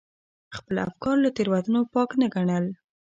خپل افکار له تېروتنو پاک نه ګڼل.